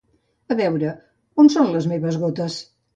A veure, on són les meves gotes?